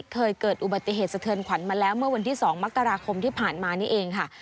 เคยเกิดอุบัติเหตุสะเทือนขวัญมาแล้วเมื่อวันที่๒มกราคมที่ผ่านมานี่เองค่ะ